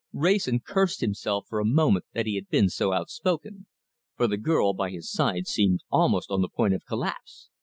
Wrayson cursed himself for a moment that he had been so outspoken, for the girl by his side seemed almost on the point of collapse.